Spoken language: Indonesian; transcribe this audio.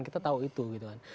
kita tahu itu gitu kan